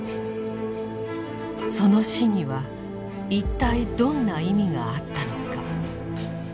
その死にはいったいどんな意味があったのか。